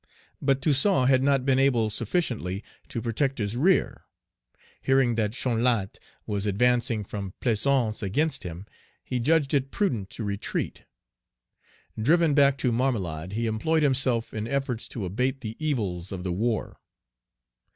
But Toussaint had not been able sufficiently to protect his rear. Hearing that Chanlatte was advancing from Plaisance against him, he judged it prudent to retreat. Driven back to Marmelade, he employed himself in efforts to abate the evils of the war.